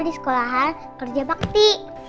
di sekolahan tadi aku kerja bakti